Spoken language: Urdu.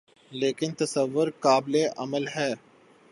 لیکن تصور قابلِعمل ہے